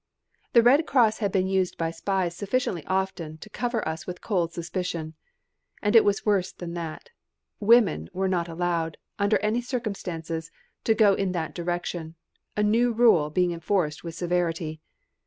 The Red Cross had been used by spies sufficiently often to cover us with cold suspicion. And it was worse than that. Women were not allowed, under any circumstances, to go in that direction a new rule, being enforced with severity.